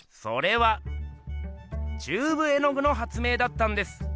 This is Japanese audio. それはチューブ絵具の発明だったんです！